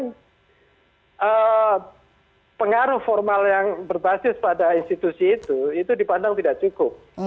karena kan pengaruh formal yang berbasis pada institusi itu itu dipandang tidak cukup